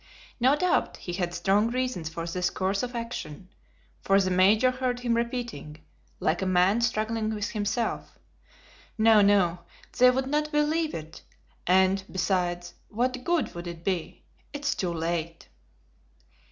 No doubt he had strong reasons for this course of action, for the Major heard him repeating, like a man struggling with himself: "No, no, they would not believe it; and, besides, what good would it be? It is too late!"